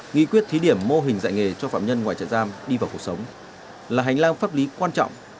nghị quyết thí điểm mô hình dạy nghề cho phạm nhân ngoài trại giam đi vào cuộc sống là hành lang pháp lý quan trọng